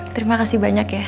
terima kasih banyak ya